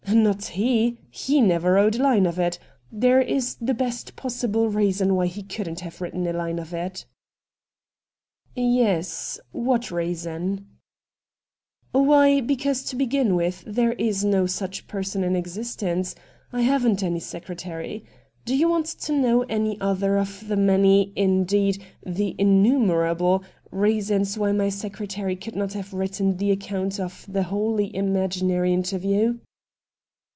' Not he — never wrote a line of it. There is the best possible reason why he couldn't have written a line of it.' ' Yes — what reason ?'' Why, because, to begin with, there is no such person in existence. I haven't any secretary. Do you want to know any other of the many, indeed the innumerable, reasons why my secretary could not have written AN INTERVIEW WITH MR. RATT GUNDY 225 that account of the wholly imaginary inter view